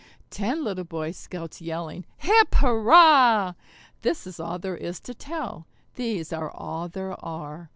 Ten little Boy Scouts yelling "Hip, hurrah!" This is all there is to tell these are all there are!